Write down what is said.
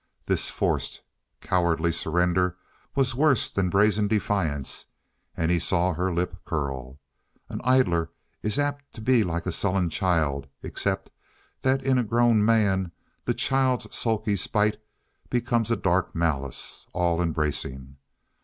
This forced, cowardly surrender was worse than brazen defiance, and he saw her lip curl. An idler is apt to be like a sullen child, except that in a grown man the child's sulky spite becomes a dark malice, all embracing.